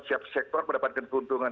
setiap sektor mendapatkan keuntungan